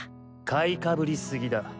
かいかぶりすぎだ。